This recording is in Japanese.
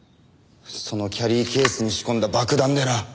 そのキャリーケースに仕込んだ爆弾でな。